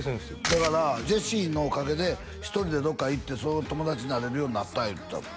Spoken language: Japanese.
だからジェシーのおかげで一人でどっかへ行って友達になれるようになった言うてたもん